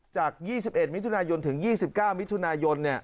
จาก๒๑มิถุนายนถึง๒๙มิถุนายน